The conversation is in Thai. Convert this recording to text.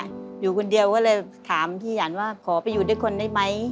อยู่คนเดียวก็เลยถามพี่หยันว่าขอไปอยู่ด้วยคนได้ไหม